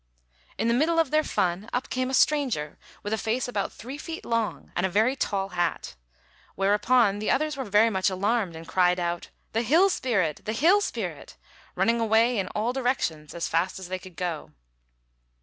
In the middle of their fun up came a stranger with a face about three feet long and a very tall hat; whereupon the others were very much alarmed, and cried out, "The hill spirit! the hill spirit!" running away in all directions as fast as they could go.